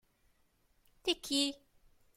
T'es qui ?